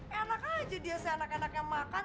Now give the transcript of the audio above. enak aja dia seanak enaknya makan